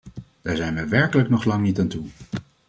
Daar zijn wij werkelijk nog lang niet aan toe.